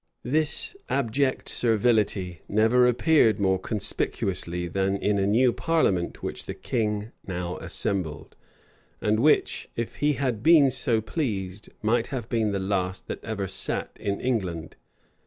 This abject servility never appeared more conspicuously than in a new parliament which the king now assembled, and which, if he had been so pleased, might have been the last that ever sat in England.